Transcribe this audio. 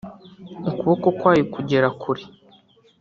ukuboko kwayo kugera kure